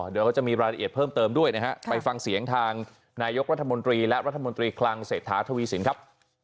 เดี๋ยวก็จะมีรายละเอียดเพิ่มเติมด้วยนะฮะไปฟังเสียงทางนายกรัฐมนตรีและรัฐมนตรีคลังเศรษฐาทวีสินครับ